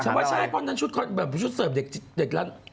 แต่ว่าจะใช้ชุดเสิร์ฟเด็กนั้น